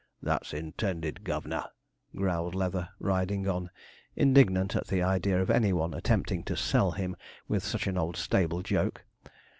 'That's intended, gov'nor,' growled Leather, riding on, indignant at the idea of any one attempting to 'sell him' with such an old stable joke.